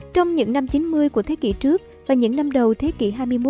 trong những năm chín mươi của thế kỷ trước và những năm đầu thế kỷ hai mươi một